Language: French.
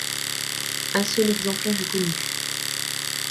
Un seul exemplaire est connu.